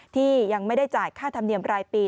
ที่ยังไม่ได้จ่ายค่าธรรมเนียมรายปี